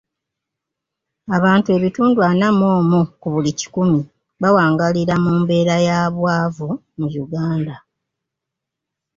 Abantu ebitundu ana mu omu ku buli kikumi bawangaalira mu mbeera ya bwavu mu Uganda.